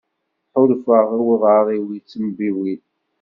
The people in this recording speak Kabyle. Ḥulfaɣ i uḍar-iw yettembiwil.